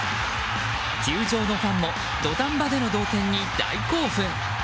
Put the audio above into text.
球場のファンも土壇場での同点に大興奮！